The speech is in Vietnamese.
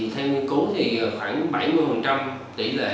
theo nghiên cứu thì khoảng bảy mươi tỷ lệ